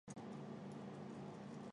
这类病患俗称为植物人。